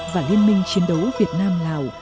và liên minh chiến đấu việt nam lào